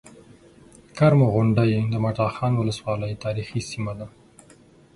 کرمو غونډۍ د مټاخان ولسوالۍ تاريخي سيمه ده